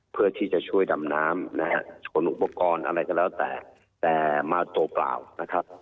เพื่อที่จะช่วยดำน้ำนะฮะขนอุปกรณ์อะไรก็แล้วแต่แต่มาตัวเปล่านะครับ